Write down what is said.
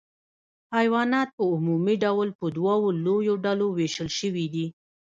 حیوانات په عمومي ډول په دوو لویو ډلو ویشل شوي دي